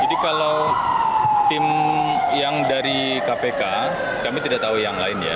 jadi kalau tim yang dari kpk kami tidak tahu yang lain